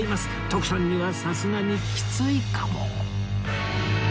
徳さんにはさすがにきついかも